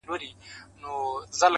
خوشحال دواړه لرل